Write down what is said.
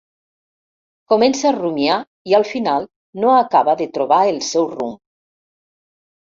Comença a rumiar i al final no acaba de trobar el seu rumb.